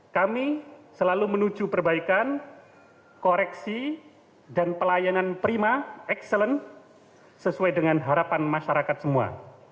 kami selalu menuju perbaikan koreksi dan pelayanan prima excellent sesuai dengan harapan masyarakat semua